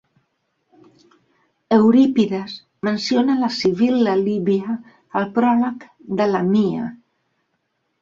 Eurípides menciona la sibil·la líbia al pròleg de "Lamia".